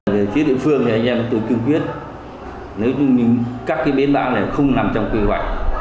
để chứa địa phương thì anh em tôi kinh quyết nếu như các cái bến bãi này không nằm trong quy hoạch